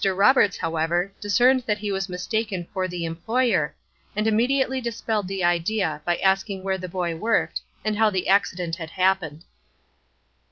Roberts, however, discerned that he was mistaken for the employer, and immediately dispelled the idea by asking where the boy worked, and how the accident had happened.